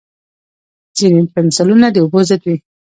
ځینې پنسلونه د اوبو ضد وي.